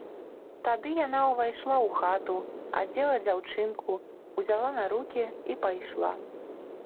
Тады яна ўвайшла ў хату, адзела дзяўчынку, узяла на рукі і пайшла.